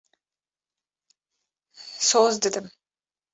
Soz didim.